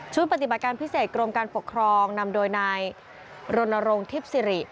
ปฏิบัติการพิเศษกรมการปกครองนำโดยนายรณรงค์ทิพย์สิริ